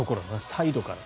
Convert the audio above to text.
サイドから。